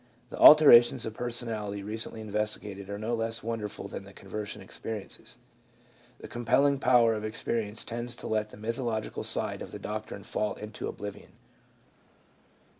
The alterations of personality, recently investigated, are no less wonderful than the conversion experiences. The compelling power of experience tends to let the mythi cal side of the doctrine fall into oblivion.